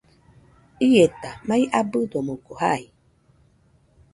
Ieta mai abɨdo omoɨko jai.